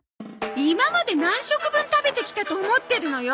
今まで何食分食べてきたと思ってるのよ。